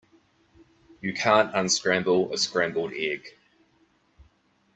You can't unscramble a scrambled egg.